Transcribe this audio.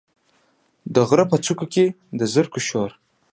د غره په څوکو کې، د زرکو شور،